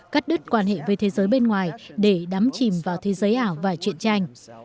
cắt đứt quan hệ với thế giới bên ngoài để đắm chìm vào thế giới ảo và chuyện tranh